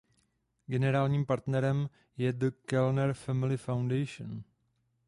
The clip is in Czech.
Generálním partnerem je The Kellner Family Foundation.